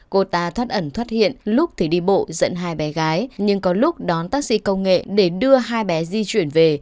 cô ta thoát ẩn thoát hiện lúc thì đi bộ dẫn hai bé gái nhưng có lúc đón tác sĩ công nghệ để đưa hai bé di chuyển về